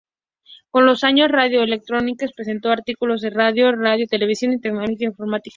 Con los años, Radio-Electronics presentó artículos de audio, radio, televisión y tecnología informática.